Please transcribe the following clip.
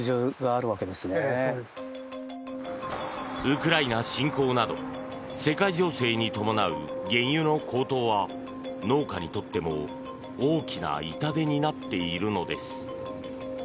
ウクライナ侵攻など世界情勢に伴う原油の高騰は農家にとっても大きな痛手になっているのです。